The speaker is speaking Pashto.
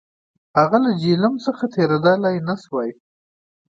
هغه له جیهلم څخه تېرېدلای نه شوای.